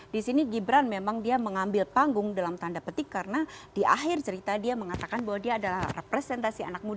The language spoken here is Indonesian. di sini gibran memang dia mengambil panggung dalam tanda petik karena di akhir cerita dia mengatakan bahwa dia adalah representasi anak muda